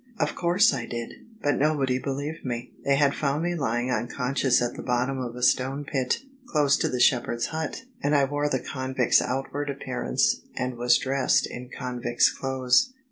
" Of course I did : but nobody believed me. They had found me lying unconscious at the bottom of a stone pit, close to the shepherd's hut; and I wore the convict's out ward appearance and was dressed in convict's clothes.